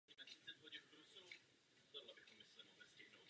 V té době také konvertoval ke křesťanství.